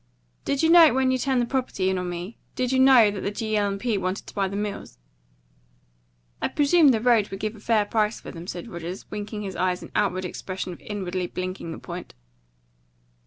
"Did you know it when you turned the property in on me? Did you know that the G. L. & P. wanted to buy the mills?" "I presumed the road would give a fair price for them," said Rogers, winking his eyes in outward expression of inwardly blinking the point.